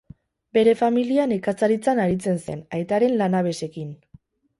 Bere familia nekazaritzan aritzen zen, aitaren lanabesekin.